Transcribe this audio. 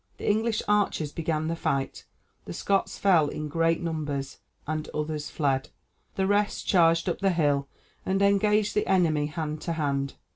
The English archers began the fight; the Scots fell in great numbers, and others fled, the rest charged up the hill and engaged the enemy hand to hand.